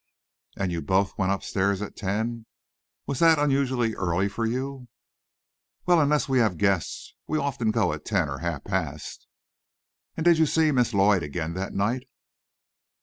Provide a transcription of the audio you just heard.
"And you both went upstairs at ten. Was that unusually early for you?" "Well, unless we have guests, we often go at ten or half past ten." "And did you see Miss Lloyd again that night?"